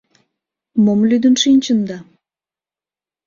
— Мом лӱдын шинчында?